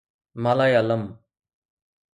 مالايالم